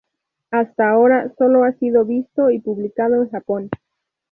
Hasta ahora solo ha sido visto y publicado en Japón.